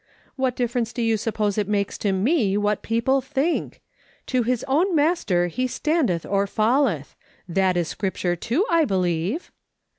" What difference do you suppose it makes to me what people think ?' To his own master he standeth or falleth.' That is Scripture, too, I believe."